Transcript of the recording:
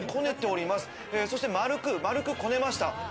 そして丸くこねました。